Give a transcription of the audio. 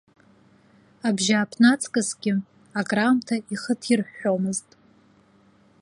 Абжьааԥны аҵкысгьы акраамҭа ихы ҭирҳәҳәомызт.